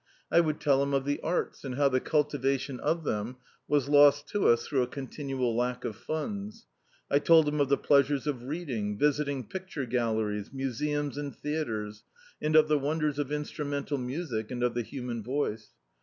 I would tell him of the arts, and how the cultivation of them was lost to us through a continual lack of funds. I told him of the pleasures of reading, visit ing picture galleries, museums and theatres, and of the wonders of instrumental music, and of the human voice.